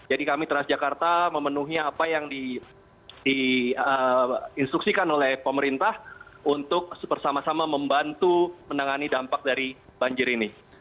jadi kami transjakarta memenuhi apa yang di instruksikan oleh pemerintah untuk bersama sama membantu menangani dampak dari banjir ini